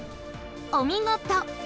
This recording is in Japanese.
お見事！